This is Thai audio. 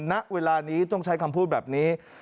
ณเวลานี้ต้องใช้คำพูดแบบนี้